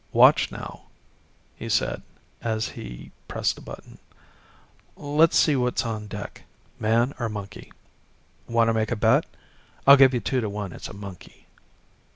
"Watch, now," he said as he pressed a button. "Let's see what's on deck man or monkey. Want to make a bet? I'll give you two to one it's a monkey."